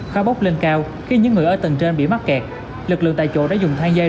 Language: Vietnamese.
khó bốc lên cao khi những người ở tầng trên bị mắc kẹt lực lượng tại chỗ đã dùng thang dây